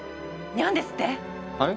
ニャンですって⁉はい？